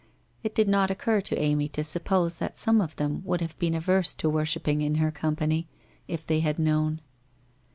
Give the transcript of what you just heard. It did not occur to Amy to suppose that some of them would have been averse to worshipping in her company, if they had known?